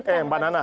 eh mbak nana